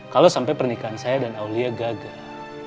kalau sampai pernikahan saya dan aulia gagal